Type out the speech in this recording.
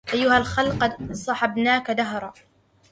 أيها الخل قد صحبناك دهرا